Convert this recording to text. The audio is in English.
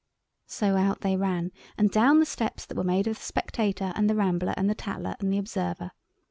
So out they ran and down the steps that were made of the "Spectator" and the "Rambler" and the "Tatler" and the "Observer."